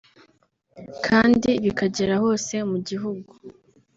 kandi bikagera hose mu gihugu